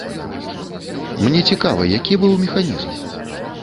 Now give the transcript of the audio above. Мне цікава, які быў механізм?